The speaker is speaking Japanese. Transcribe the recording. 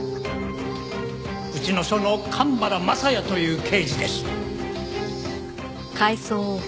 うちの署の神原雅也という刑事です。